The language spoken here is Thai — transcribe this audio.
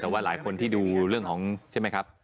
แต่ว่าหลายคนที่ดูเรื่องของใช่ไหมครับ